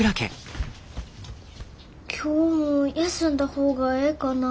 今日も休んだ方がええかな？